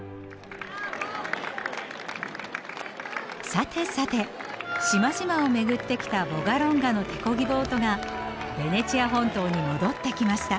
さてさて島々を巡ってきたヴォガロンガの手漕ぎボートがベネチア本島に戻ってきました。